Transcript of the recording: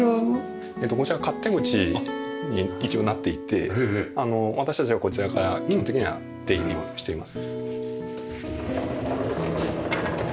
こちら勝手口に一応なっていて私たちはこちらから基本的には出入りをしています。